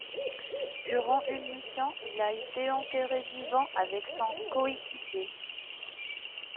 Durant une mission, il a été enterré vivant avec son coéquipier.